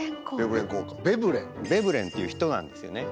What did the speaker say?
ヴェブレンっていう人なんですよね。